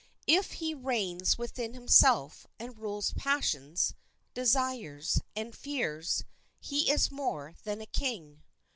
If he reigns within himself, and rules passions, desires, and fears, he is more than a king.